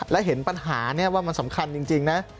และเห็นปัญหานี้ว่ามันสำคัญจริงนะ